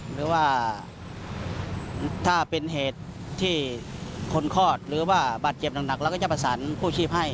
หรือว่าถ้าเป็นเหตุที่คนคลอดหรือว่าบาดเจ็บหนักเราก็จะประสานกู้ชีพให้